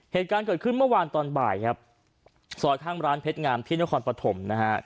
เหตุการณ์เกิดขึ้นเมื่อวานตอนบ่ายครับซอยข้างร้านเพชรงามที่นครปฐมนะฮะ